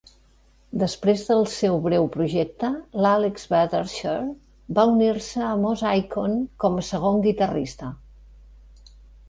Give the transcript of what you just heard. Després del seu breu projecte l'Alex Badertscher va unir-se a Moss Icon com a segon guitarrista.